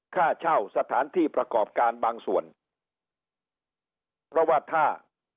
ค่าเช่าสถานที่ประกอบการบางส่วนเพราะว่าถ้า